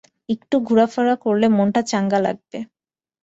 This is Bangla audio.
একটু ঘুরাফেরা করলে মনটা চাঙ্গা লাগবে।